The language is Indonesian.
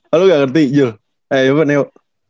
oh lo gak ngerti jul eh apa neo